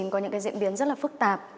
có những cái diễn biến rất là phức tạp